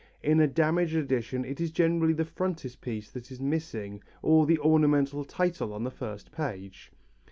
In a damaged edition it is generally the frontispiece that is missing or the ornamental title on the first page.